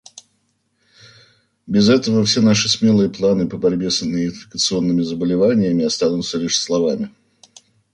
Без этого все наши смелые планы по борьбе с неинфекционными заболеваниями останутся лишь словами.